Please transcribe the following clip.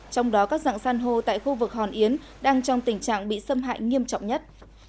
trong đó các dạng san hô tại khu vực hòn yến đang trong tình trạng bị xâm hại nghiêm trọng nhất